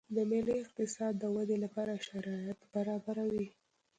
د ملي اقتصاد د ودې لپاره شرایط برابروي